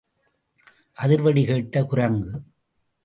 அதிர் வெடி கேட்ட குரங்கு.